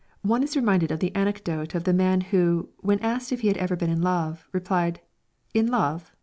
One is reminded of the anecdote of the man who, when asked if he had ever been in love, replied: "In love?